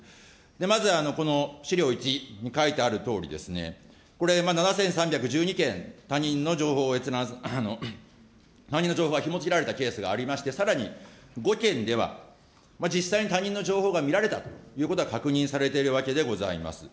まずこの資料１に書いてあるとおり、これ、７３１２件、他人の情報を閲覧、他人の情報がひも付けられたケースがありまして、さらに５件では、実際に他人の情報が見られたということが確認されてるわけでございます。